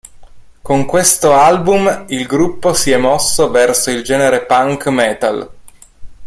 Con questo album, il gruppo si è mosso verso il genere punk metal.